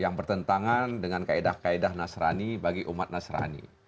yang bertentangan dengan kaedah kaedah nasrani bagi umat nasrani